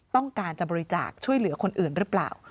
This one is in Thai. ต้องการจะบริจาคช่วยเหลือคนอื่นหรือเปล่า